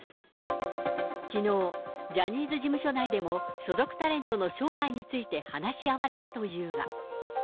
きのう、ジャニーズ事務所内でも所属タレントの将来について話し合われたというが。